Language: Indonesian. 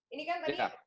ini kan tadi